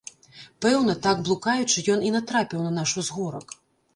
Пэўна, так, блукаючы, ён і натрапіў на наш узгорак.